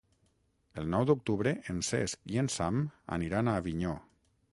El nou d'octubre en Cesc i en Sam aniran a Avinyó.